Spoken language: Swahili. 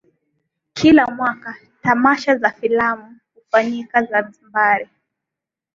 Kila mwaka tamasha la filamu hufanyika Zanzibar